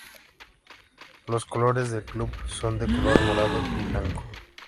Los colores del club son de color morado y blanco.